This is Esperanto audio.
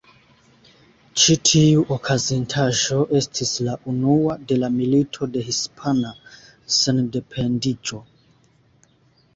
Ĉi tiu okazintaĵo estis la unua de la Milito de Hispana Sendependiĝo.